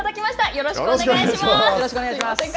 よろしくお願いします。